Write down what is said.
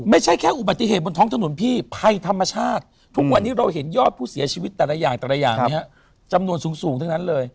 ไม่ใช่แค่อุบัติเหตุบนท้องถนนพี่ภัยธรรมชาติทุกวันนี้เราเห็นยอดผู้เสียชีวิตแต่ละอย่างแต่ละอย่างจำนวนสูงทั้งนั้นเลย